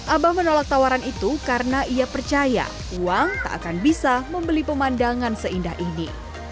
abah menolak tawaran itu karena ia percaya uang tak akan bisa membeli pemandangan seindah ini